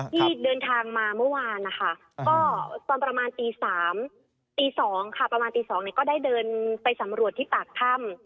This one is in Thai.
ที่เดินทางมาเมื่อวานนะคะก็ตอนประมาณตี๓ตี๒ค่ะประมาณตี๒เนี่ยก็ได้เดินไปสำรวจที่ปากถ้ำ